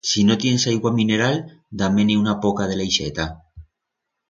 Si no tiens aigua mineral, da-me-ne una poca de la ixeta.